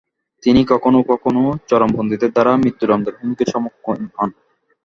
তিনি কখনও কখনও চরমপন্থীদের দ্বারা মৃত্যুদণ্ডের হুমকির সম্মূখীন হন।